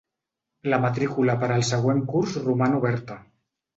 La matrícula per al següent curs roman oberta.